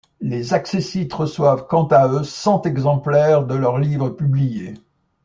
Les accessits reçoivent quant à eux cent exemplaires de leur livre publié.